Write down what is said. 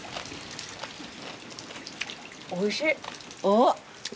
おいしい！